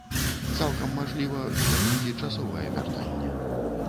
Цалкам мажліва, гэта толькі часовае вяртанне.